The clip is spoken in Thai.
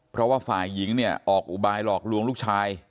เพราะว่าฝ่ายหญิงเนี่ยออกอุบายหลอกลวงลูกชาย